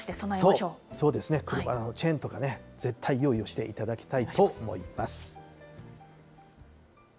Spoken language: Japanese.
そうですね、車のチェーンとか、絶対用意していただきたいと思います。